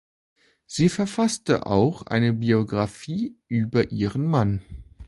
Sie verfasste auch eine Biografie über ihren Mann.